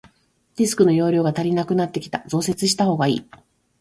ディスクの容量が足りなくなってきた、増設したほうがいい。